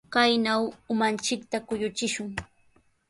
Kaynaw umanchikta kuyuchishun.